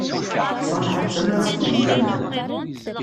Ṣanɛa d tamanaɣt n Lyamen.